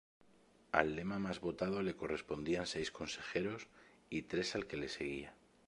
Al lema más votado le correspondían seis consejeros y tres al que le seguía.